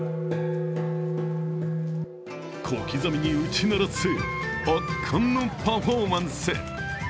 小刻みに打ち鳴らす圧巻のパフォーマンス。